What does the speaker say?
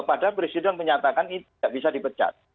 padahal presiden menyatakan ini tidak bisa dipecat